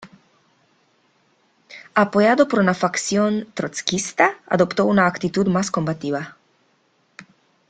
Apoyado por una facción trotskista, adoptó una actitud más combativa.